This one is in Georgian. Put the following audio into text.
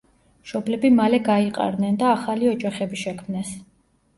მშობლები მალე გაიყარნენ და ახალი ოჯახები შექმნეს.